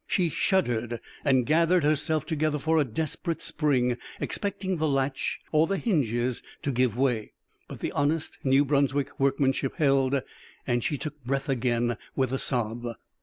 She shuddered and gathered herself together for a desperate spring, expecting the latch or the hinges to give way. But the honest New Brunswick workmanship held, and she took breath again with a sob.